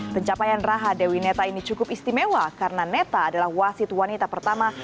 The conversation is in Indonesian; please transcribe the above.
pencapaian raha dewi neta ini cukup istimewa karena neta adalah wasit wanita pertama